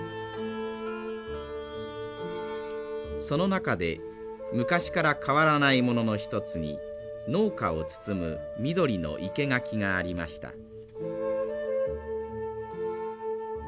その中で昔から変わらないものの一つに農家を包む緑の生け垣がありました。